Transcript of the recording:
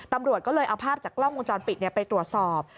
ตำรวจก็เลยเอาภาพจากกล้องวงจรปิดไปตรวจสอบ